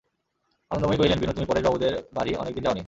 আনন্দময়ী কহিলেন, বিনু, তুমি পরেশবাবুদের বাড়ি অনেক দিন যাও নি।